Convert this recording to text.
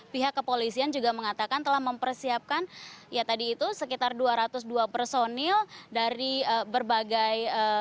pihak kepolisian juga mengatakan telah mempersiapkan ya tadi itu sekitar dua ratus dua personil dari berbagai